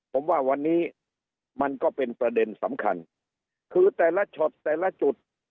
ผมว่าวันนี้มันก็เป็นประเด็นสำคัญคือแต่ละช็อตแต่ละจุด